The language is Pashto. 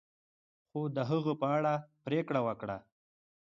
خو د هغه په اړه پریکړه وکړه.